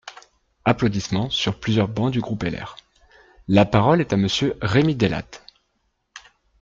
(Applaudissements sur plusieurs bancs du groupe LR.) La parole est à Monsieur Rémi Delatte.